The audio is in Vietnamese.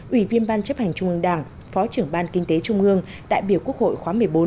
ủy viên ban chấp hành trung ương đảng phó trưởng ban kinh tế trung ương đại biểu quốc hội khóa một mươi bốn